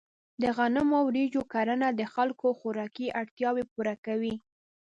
د غنمو او وریجو کرنه د خلکو خوراکي اړتیا پوره کوي.